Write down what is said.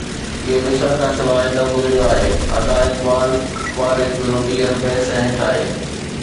اهو ڏسڻ کان سواءِ نه گذريو آهي.ادا اقبال اقبال هڪ ڀيرو ٻيهر بحث هيٺ آهي.